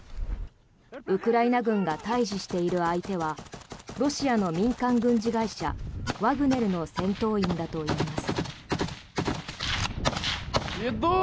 ウクライナ軍が対峙している相手はロシアの民間軍事会社ワグネルの戦闘員だといいます。